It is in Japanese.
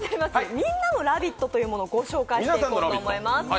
みんなのラヴィット！というものをご紹介したいと思います。